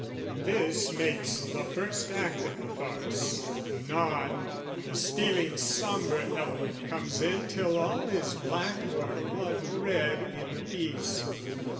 This makes the first act of the farce, anon The stealing sombre element comes in Till all is black or blood red in the piece.